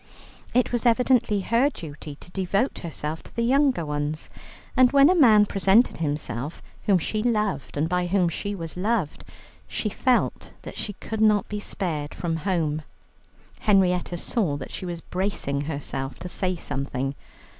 It was evidently her duty to devote herself to the younger ones, and when a man presented himself whom she loved and by whom she was loved, she felt that she could not be spared from home. Henrietta saw that she was bracing herself to say something.